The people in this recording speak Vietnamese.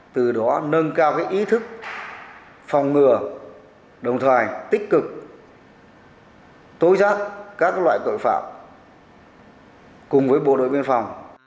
từ đó nâng cao ý thức phòng ngừa đồng thời tích cực tối giác các loại tội phạm cùng với bộ đội biên phòng